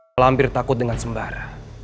malambir takut dengan sembar